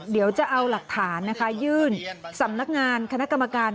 เดี๋ยวจะเอาหลักฐานนะคะยื่นสำนักงานคณะกรรมการ